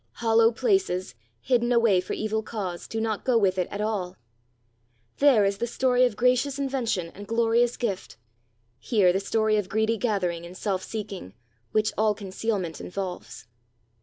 Hollow places, hidden away for evil cause, do not go with it at all! There is the story of gracious invention and glorious gift; here the story of greedy gathering and self seeking, which all concealment involves!"